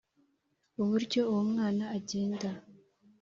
Uburyo uwo mwana agenda